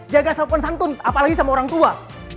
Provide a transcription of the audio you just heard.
jaga safon santun apalagi sama orang tua